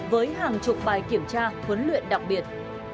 với hàng chục bài kiểm tra huấn luyện đặc biệt